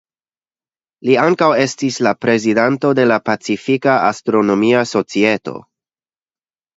Li ankaŭ estis la prezidanto de la Pacifika Astronomia Societo.